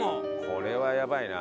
これはやばいな。